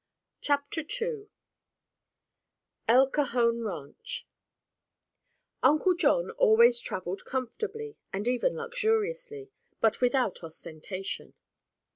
CHAPTER II—EL CAJON RANCH Uncle John always traveled comfortably and even luxuriously, but without ostentation.